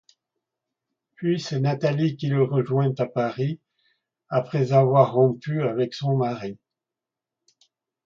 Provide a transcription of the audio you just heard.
Puis c'est Nathalie qui le rejoint à Paris après avoir rompu avec son mari.